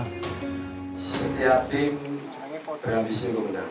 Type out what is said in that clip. tim berambisi untuk menang